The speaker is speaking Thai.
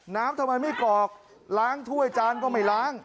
ทำไมไม่กรอกล้างถ้วยจานก็ไม่ล้าง